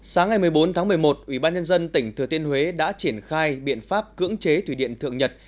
sáng ngày một mươi bốn tháng một mươi một ủy ban nhân dân tỉnh thừa tiên huế đã triển khai biện pháp cưỡng chế thủy điện thượng nhật